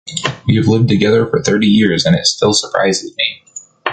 We have lived together for thirty years and it still surprises me.